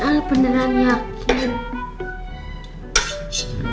mas al beneran yakin